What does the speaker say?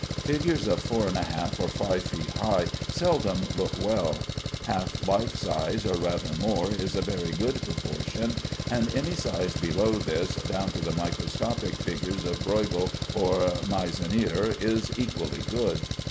Figures of four and a half or five feet high seldom look well. Half life size, or rather more, is a very good proportion, and any size below this, down to the microscopic figures of Breughel or Meissonnier, is equally good.